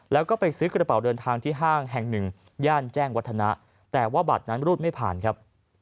แล้วก็ไปซื้อกระเป๋าเดินทางที่ห้างแห่งหนึ่งย่านแจ้งวัฒนะแต่ว่าบัตรนั้นรูดไม่ผ่านครับ